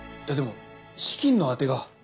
でも資金のあてが。